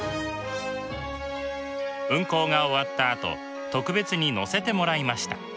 運行が終わったあと特別に乗せてもらいました。